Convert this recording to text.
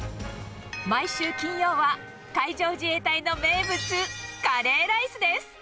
毎週金曜は、海上自衛隊の名物、カレーライスです。